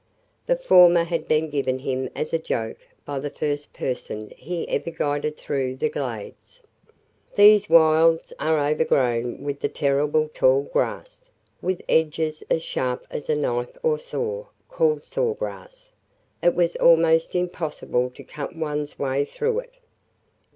The former had been given him as a joke by the first person he ever guided through the Glades. These wilds are overgrown with the terrible tall grass, with edges as sharp as a knife or saw, called "saw grass." It was almost impossible to cut one's way through it.